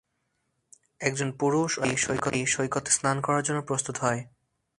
একজন পুরুষ ও একজন নারী সৈকতে স্নান করার জন্য প্রস্তুত হয়।